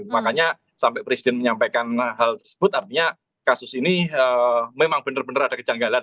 makanya sampai presiden menyampaikan hal tersebut artinya kasus ini memang benar benar ada kejanggalan